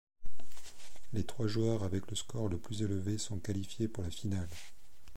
Les trois joueurs avec le score le plus élevé sont qualifiés pour la finale.